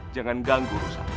jangan ganggu rusaknya